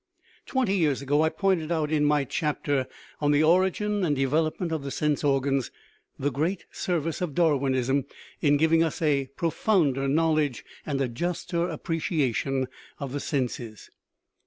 Twenty years ago I pointed out, in my chapter " On the Origin and Development of the Sense Organs/'* the great service of Darwinism in giving us a profounder knowledge and a juster appreciation of the senses.